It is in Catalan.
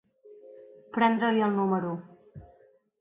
Prendre-li el número.